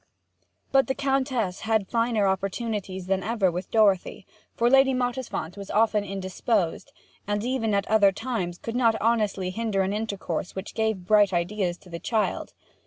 But the Countess had finer opportunities than ever with Dorothy; for Lady Mottisfont was often indisposed, and even at other times could not honestly hinder an intercourse which gave bright ideas to the child.